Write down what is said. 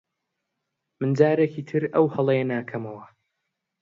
من جارێکی تر ئەو هەڵەیە ناکەمەوە.